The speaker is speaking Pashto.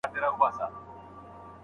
رڼا ته لاس نیول یوه هیله ده.